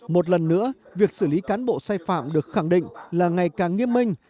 một lần nữa việc xử lý cán bộ sai phạm được khẳng định là ngày càng nghiêm minh